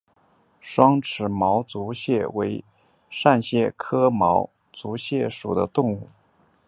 双齿毛足蟹为扇蟹科毛足蟹属的动物。